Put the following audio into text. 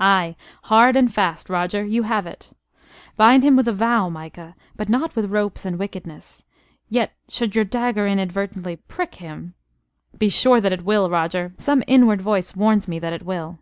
"Ay, hard and fast, Roger. You have it." "Bind him with a vow, Micah, but not with ropes and wickedness. Yet should your dagger inadvertently prick him " "Be sure that it will, Roger. Some inward voice warns me that it will."